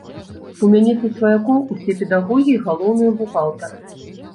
У мяне са сваякоў усе педагогі і галоўныя бухгалтары.